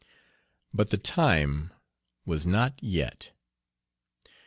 But the time was not yet.